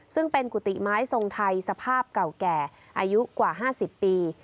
ซึ่งเป็นกุฏิไม้ทรงไทยสภาพเก่าแก่อายุกว่า๕๐ปี